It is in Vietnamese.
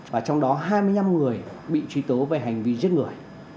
và trong đó hai mươi năm người bị truy tố về hành vi giết người